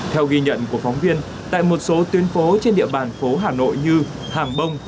theo ghi nhận của phóng viên tại một số tuyến phố trên địa bàn phố hà nội như hàng bông